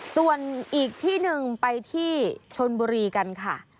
ส่วนอีกที่หนึ่งไปที่ชนบุรีกันค่ะ